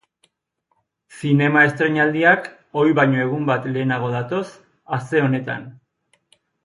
Zinema estreinaldiak ohi baino egun bat lehenago datoz aste honetan.